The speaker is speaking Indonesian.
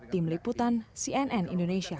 tim liputan cnn indonesia